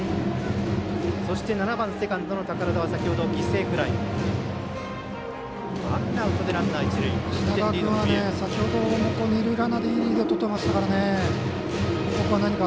そして７番セカンドの寳田は先ほど犠牲フライ。